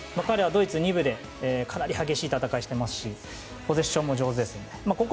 彼はドイツ２部でかなり激しい戦いをしていますしポゼッションも上手です。